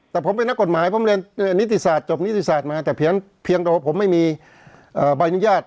แต่ผมเป็นนักกฎหมายผมเรียนนิติศาสตร์จบนิติศาสตร์มาแต่เพียงแต่ว่าผมไม่มีใบอนุญาต